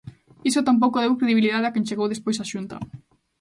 Iso tampouco deu credibilidade a quen chegou despois á Xunta.